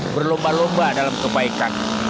berlomba lomba dalam kebaikan